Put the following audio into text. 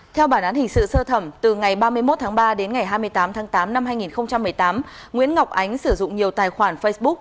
theo bản án hình sự sơ thẩm từ ngày ba mươi một tháng ba đến ngày hai mươi tám tháng tám năm hai nghìn một mươi tám nguyễn ngọc ánh sử dụng nhiều tài khoản facebook